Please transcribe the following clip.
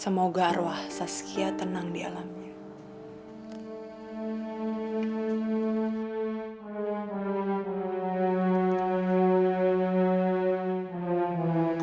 semoga roah saskia tenang di alamnya